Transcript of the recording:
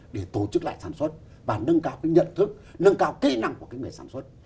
để tổ chức lại sản xuất và nâng cao cái nhận thức nâng cao kỹ năng của cái người sản xuất